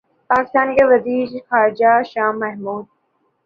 پاکستان کے وزیر خارجہ شاہ محمود